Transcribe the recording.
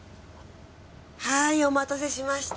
はいお待たせしました。